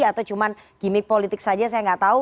atau cuma gimmick politik saja saya nggak tahu